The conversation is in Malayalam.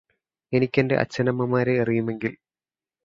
എനിക്കെന്റെ അച്ഛനമ്മമാരെ അറിയുമെങ്കില്